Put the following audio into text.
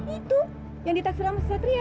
itu yang ditaksir sama satria